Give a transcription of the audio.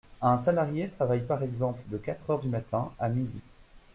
Un salarié travaille par exemple de quatre heures du matin à midi.